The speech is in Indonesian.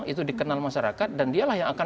itu dikenal masyarakat dan dialah yang akan